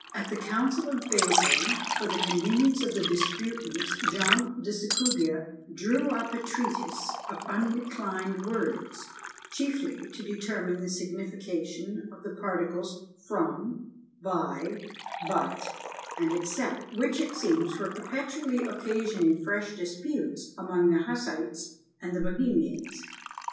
At the council of Basle, for the convenience of the disputants, John de Secubia drew up a treatise of undeclined words, chiefly to determine the signification of the particles from, by, but, and except, which it seems were perpetually occasioning fresh disputes among the Hussites and the Bohemians.